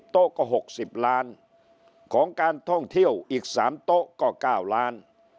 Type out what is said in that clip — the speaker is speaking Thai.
โต๊ะก็๖๐ล้านของการท่องเที่ยวอีก๓โต๊ะก็๙ล้าน